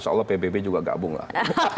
seolah pbb juga tidak